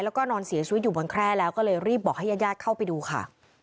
แล้วก็นอนเสียชีวิตอยู่บนแคร่แล้วก็เลยรีบบอกให้ญาติญาติเข้าไปดูค่ะ